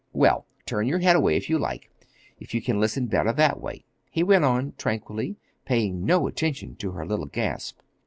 Well, turn your head away, if you like—if you can listen better that way," he went on tranquilly paying no attention to her little gasp.